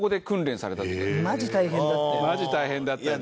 マジ大変だったよね。